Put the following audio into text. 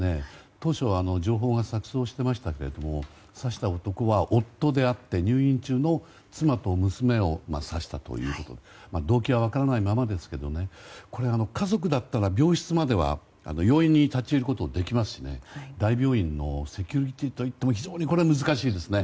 当初は情報が錯そうしていましたが刺した男は夫であって、入院中の妻と娘を刺したということで動機は分からないままですが家族だったら病室までは容易に立ち入ることはできるので大病院のセキュリティーといっても、難しいですね。